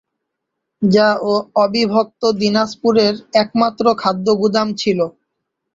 যা অবিভক্ত দিনাজপুরের একমাত্র খাদ্য গুদাম ছিল।